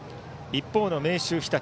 一方の明秀日立。